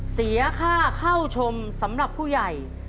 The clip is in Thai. เสียค่าเข้าชมสำหรับผู้ใหญ่